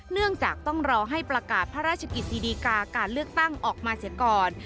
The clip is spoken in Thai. เนื่องจากต้องรอให้ประกาศพระราชกิจศิดีกาการเลือกตั้งออกมาเสียก่อน